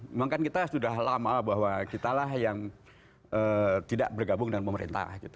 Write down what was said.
memang kan kita sudah lama bahwa kitalah yang tidak bergabung dengan pemerintah gitu